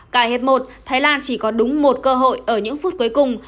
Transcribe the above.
tại hiệp một thái lan chỉ có đúng một cơ hội ở những phút cuối cùng